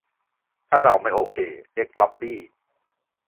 ถ้าเราไม่โอเค เรียก "ล็อบบี้"